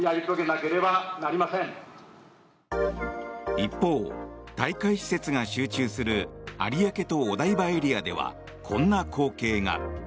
一方、大会施設が集中する有明とお台場エリアではこんな光景が。